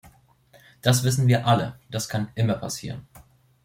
Das wissen wir alle, das kann immer passieren.